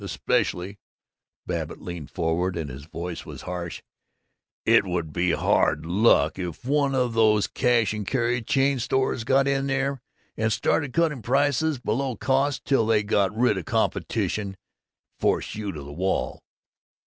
Especially " Babbitt leaned forward, and his voice was harsh, " it would be hard luck if one of these cash and carry chain stores got in there and started cutting prices below cost till they got rid of competition and forced you to the wall!"